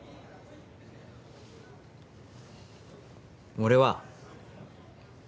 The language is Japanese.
俺は。